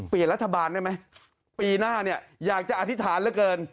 เปลี่ยนรัฐบาลได้ไหมปีหน้าอยากจะอธิษฐานเหลือเกิน